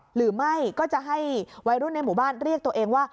หรือไม่ก็จะให้วัยรุ่นในหมู่บ้านเรียกตัวเองว่า